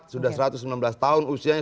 sudah satu ratus sembilan belas tahun usianya